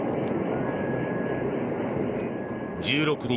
１６日